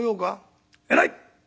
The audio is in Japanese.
「偉い！